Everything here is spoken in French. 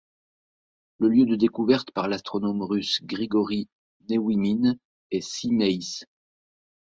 Le lieu de découverte, par l'astronome russe Grigori Néouïmine, est Simeis.